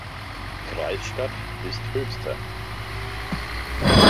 Kreisstadt ist Höxter.